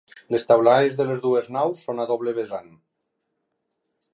Les teulades de les dues naus són a doble vessant.